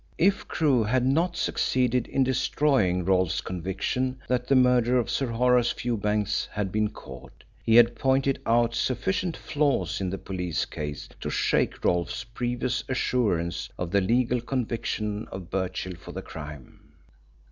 If Crewe had not succeeded in destroying Rolfe's conviction that the murderer of Sir Horace Fewbanks had been caught, he had pointed out sufficient flaws in the police case to shake Rolfe's previous assurance of the legal conviction of Birchill for the crime.